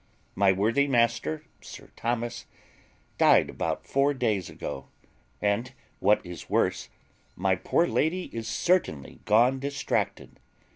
My worthy master Sir Thomas died about four days ago; and, what is worse, my poor lady is certainly gone distracted.